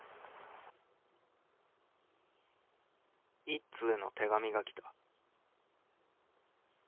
「一通の手紙が来た」。